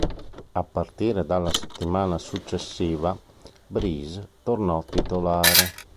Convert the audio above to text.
A partire dalla settimana successiva, Brees tornò titolare.